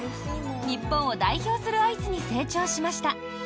日本を代表するアイスに成長しました。